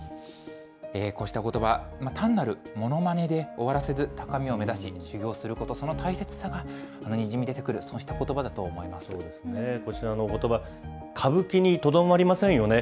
こうしたことば、単なるものまねで終わらせず、高みを目指し、修業すること、その大切さがにじみ出てくる、こちらのことば、歌舞伎にとどまりませんよね。